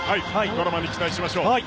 ドラマに期待しましょう。